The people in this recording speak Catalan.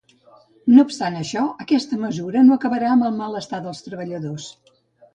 No obstant això, aquesta mesura no acabarà amb el malestar dels treballadors.